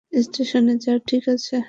স্টেশনে যাও, ঠিক আছে?